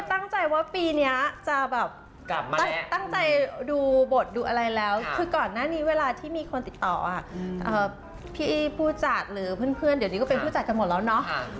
ตั้งใจว่าปีนี้จะแบบตั้งใจดูบทดูอะไรแล้วคือก่อนหน้านี้เวลาที่มีคนติดต่อพี่ผู้จัดหรือเพื่อนเดี๋ยวนี้ก็เป็นผู้จัดกันหมดแล้วเนาะ